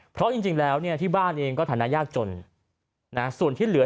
เพราะจริงแล้วเนี่ยที่บ้านเองก็ฐานะยากจนส่วนที่เหลือ